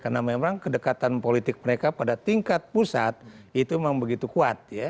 karena memang kedekatan politik mereka pada tingkat pusat itu memang begitu kuat ya